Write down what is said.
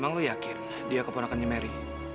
emang lo yakin dia keponakan si mary